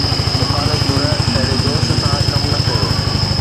مخالف ڌر اهڙي جوش سان ڪم نه ڪيو